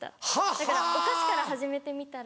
だからお菓子から始めてみたら？